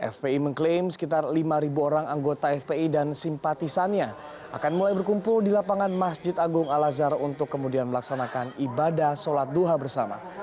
fpi mengklaim sekitar lima orang anggota fpi dan simpatisannya akan mulai berkumpul di lapangan masjid agung al azhar untuk kemudian melaksanakan ibadah sholat duha bersama